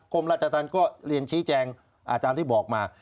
กรมราชธรรมก็เรียนชี้แจงตามที่บอกมา